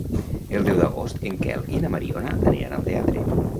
El deu d'agost en Quel i na Mariona aniran al teatre.